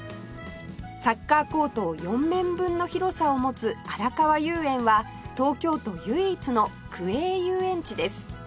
サッカーコート４面分の広さを持つあらかわ遊園は東京都唯一の区営遊園地です